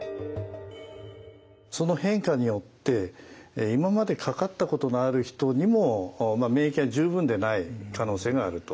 その変化によって今までかかったことのある人にも免疫が十分でない可能性があるということ。